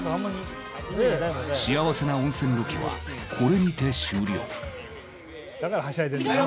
幸せな温泉ロケはこれにて終了。